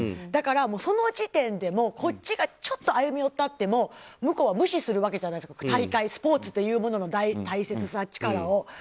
だからその時点でこっちがちょっと歩み寄ったっても向こうは無視するわけじゃないですか大会、スポーツというものの大切さ、力を。